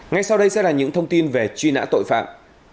ngay sau đây sẽ là những thông tin về truy nã tội phạm